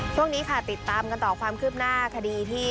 ช่วงนี้ค่ะติดตามกันต่อความคืบหน้าคดีที่